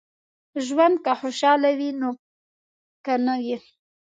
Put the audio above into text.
ژوند که خوشاله وي که نه وي.